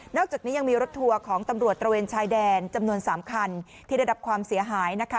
อกจากนี้ยังมีรถทัวร์ของตำรวจตระเวนชายแดนจำนวน๓คันที่ได้รับความเสียหายนะคะ